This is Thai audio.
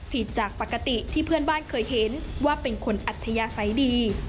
ผิดจากปกติที่เพื่อนบ้านเคยเห็นว่าเป็นคนอัธยาศัยดี